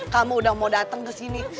kamu udah mau dateng kesini